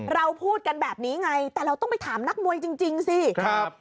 เราพูดกันแบบนี้ไงแต่เราต้องไปถามนักมวยจริงจริงสิครับ